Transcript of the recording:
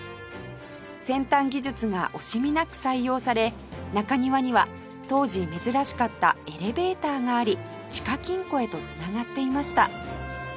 先端技術が惜しみなく採用され中庭には当時珍しかったエレベーターがあり地下金庫へと繋がっていました